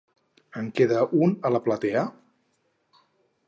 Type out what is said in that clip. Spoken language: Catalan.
En queda un a la platea?